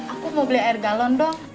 aku mau beli air galon dong